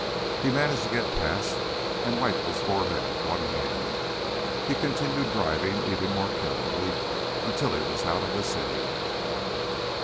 He managed to get past and wiped his forehead with one hand. He continued driving, even more carefully, until he was out of the city.